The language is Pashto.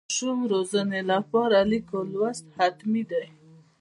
د ماشوم روزنې لپاره لیک او لوست حتمي ده.